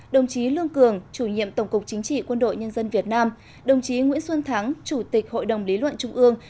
đồng chí lương cường chủ nhiệm tổng cục chính trị quân đội nhân dân việt nam đồng chí nguyễn xuân thắng chủ tịch hội đồng lý luận trung ương